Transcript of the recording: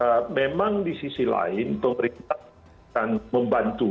karena memang di sisi lain pemerintah akan membantu